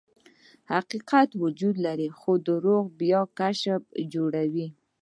حقیقت وجود لري، خو درواغ بیا کشف او جوړیږي.